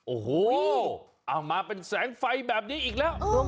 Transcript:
โอ้โหเอามาเป็นแสงไฟแบบนี้อีกแล้ว